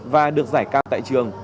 và được giải cao tại trường